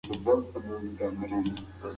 که موږ له انټرنیټ څخه زده کړه وکړو نو کامیابېږو.